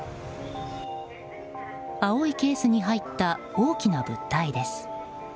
青いケースに入った大きな物体です。